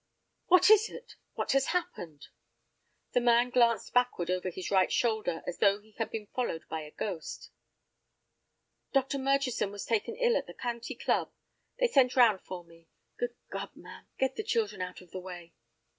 "What is it—what has happened?" The man glanced backward over his right shoulder as though he had been followed by a ghost. "Dr. Murchison was taken ill at the County Club. They sent round for me. Good God, ma'am, get the children out of the way!"